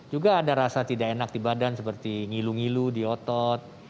juga ada rasa tidak enak di badan seperti ngilu ngilu di otot